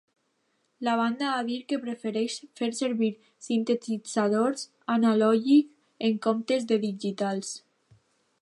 La banda ha dir que prefereix fer servir sintetitzadors analògics en comptes de digitals.